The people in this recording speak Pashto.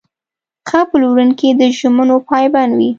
ښه پلورونکی د ژمنو پابند وي.